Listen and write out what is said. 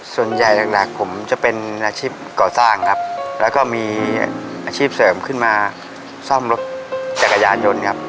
ส่วนใหญ่หลักผมจะเป็นอาชีพก่อสร้างครับแล้วก็มีอาชีพเสริมขึ้นมาซ่อมรถจักรยานยนต์ครับ